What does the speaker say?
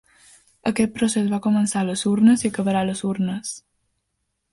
Aquest procés va començar a les urnes i acabarà a les urnes.